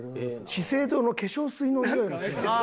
資生堂の化粧水のにおいがしますね。